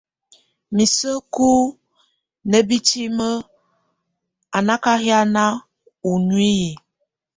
Miseku nábitiŋ anákahian ɔ nuiyik.